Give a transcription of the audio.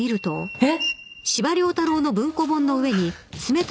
えっ？